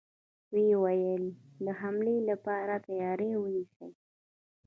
و يې ويل: د حملې له پاره تياری ونيسئ!